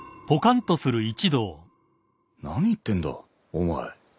何言ってんだお前。